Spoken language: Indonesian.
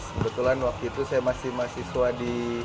kebetulan waktu itu saya masih mahasiswa di